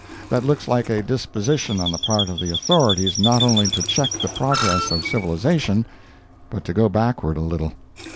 That looks like a disposition on the part of the authorities not only to check the progress of civilization, but to go backward a little.